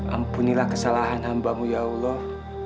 ampunilah kesalahan hambamu ya allah